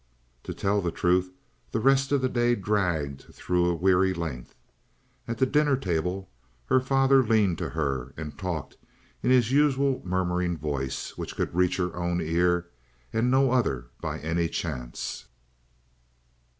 To tell the truth the rest of the day dragged through a weary length. At the dinner table her father leaned to her and talked in his usual murmuring voice which could reach her own ear and no other by any chance.